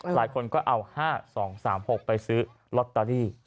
หลายคนก็เอา๕๒๓๖ไปซื้อลอตเตอรี่